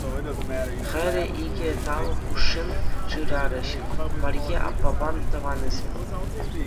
Хӗре икӗ талӑк хушши шырарӗҫ Марье аппапа тӑванӗсем.